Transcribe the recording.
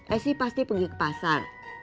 essi pasti pergi ke pasar